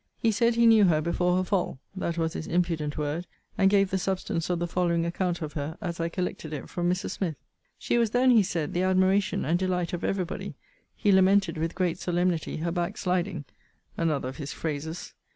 He said he knew her before her fall, [that was his impudent word;] and gave the substance of the following account of her, as I collected it from Mrs. Smith: 'She was then, he said, the admiration and delight of every body: he lamented, with great solemnity, her backsliding; another of his phrases.